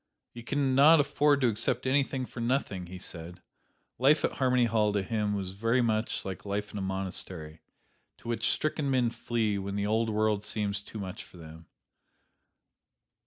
"You can not afford to accept anything for nothing," he said. Life at Harmony Hall to him was very much like life in a monastery, to which stricken men flee when the old world seems too much for them.